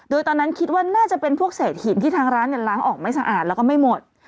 โดยตอนนั้นคิดว่าน่าจะเป็นพวกเศษหินที่ทางร้านล้างออกไม่สะอาดแล้วก็ไม่หมด